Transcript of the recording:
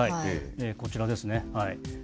こちらですね。